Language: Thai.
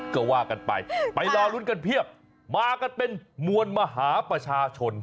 ก็ว่ากันไปไปรอลุ้นกันเพียบมากันเป็นมวลมหาประชาชน